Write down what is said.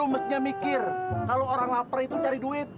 mestinya mikir kalau orang lapar itu cari duit